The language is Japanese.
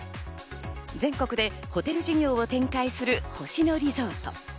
全国でホテル事業を展開する星野リゾート。